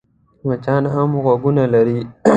مچان هم غوږونه لري .